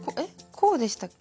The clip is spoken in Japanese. こうでしたっけ？